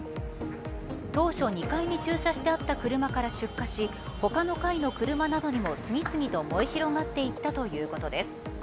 当初、２階に駐車してあった車から出火し他の階の車などにも次々と燃え広がっていったということです。